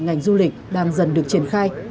ngành du lịch đang dần được triển khai